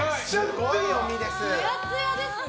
つやつやですね。